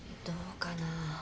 どうかな。